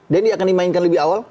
denny akan dimainkan lebih awal